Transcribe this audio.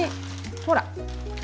ほら！